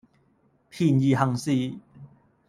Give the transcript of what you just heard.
便宜行事